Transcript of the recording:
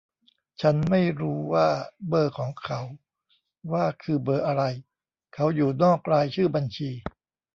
ฉันไม้รู้ว่าเบอร์ของเขาว่าคือเบอร์อะไร เขาอยู่นอกรายชื่อบัญชี